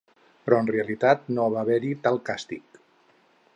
Però en realitat no va haver-hi tal càstig.